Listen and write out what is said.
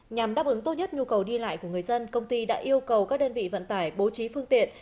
nhằm đáp ứng tốt nhất nhu cầu đi lại của người dân công ty đã yêu cầu các đơn vị vận tải bố trí phương tiện